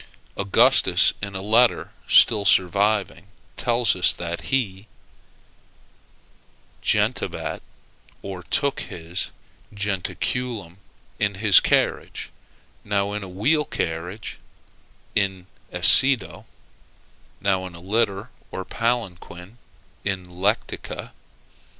Augustus, in a letter still surviving, tells us that he jentabat, or took his jentaculum in his carriage; now in a wheel carriage, (in essedo,) now in a litter or palanquin (in lecticâ.)